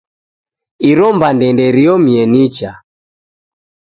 Iro mbande nderiomie nicha.